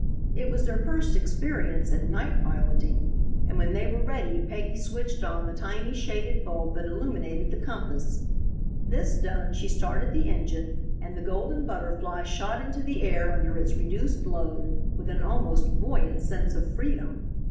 It was their first experience in night piloting, and when they were ready Peggy switched on the tiny shaded bulb that illuminated the compass. This done, she started the engine, and the Golden Butterfly shot into the air under its reduced load with an almost buoyant sense of freedom.